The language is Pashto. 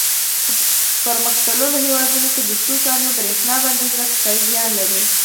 په پرمختللو هېوادونو کې د څو ثانیو برېښنا بندېدل اقتصادي زیان لري.